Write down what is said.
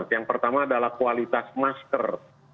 yang pertama adalah kualitas masker